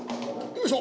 よいしょ！